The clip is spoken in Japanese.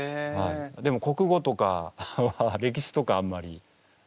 でも国語とか歴史とかはあんまり。